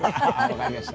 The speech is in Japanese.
わかりました。